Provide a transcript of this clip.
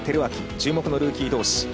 注目のルーキーどうし。